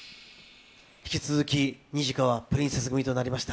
引き続きニジカはプリンセス組となりました。